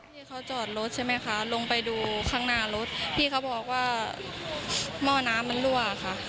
ที่เขาจอดรถใช่ไหมคะลงไปดูข้างหน้ารถพี่เขาบอกว่าหม้อน้ำมันรั่วค่ะ